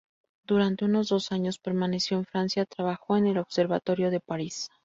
Durante unos dos años permaneció en Francia, trabajó en el Observatorio de París.